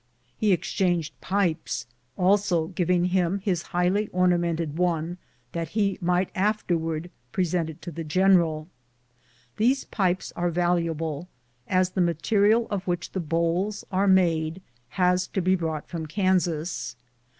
He exchanged pipes also, giving him his highly ornamented one that lie might afterwards present it to the general. These pipes are valuable, as the material of which the bowls are made has to be brought from Kansas.